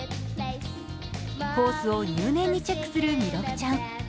コースを入念にチェックする弥勒ちゃん。